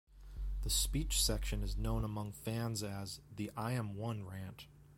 The speech section is known among fans as "the I Am One rant".